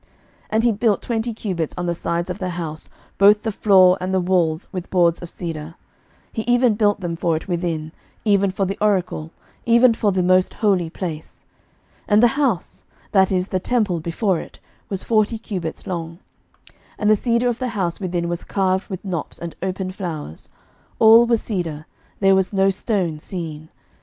11:006:016 And he built twenty cubits on the sides of the house, both the floor and the walls with boards of cedar: he even built them for it within, even for the oracle, even for the most holy place. 11:006:017 And the house, that is, the temple before it, was forty cubits long. 11:006:018 And the cedar of the house within was carved with knops and open flowers: all was cedar; there was no stone seen.